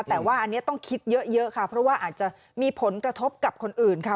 แต่ว่าอันนี้ต้องคิดเยอะค่ะเพราะว่าอาจจะมีผลกระทบกับคนอื่นค่ะ